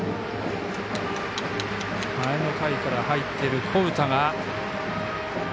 前の回から入っている古宇田が。